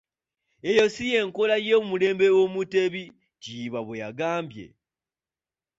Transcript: "Eyo ssi y'enkola ey'omulembe Omutebi,” Kiyimba bw'agambye.